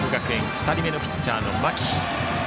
２人目のピッチャー、間木。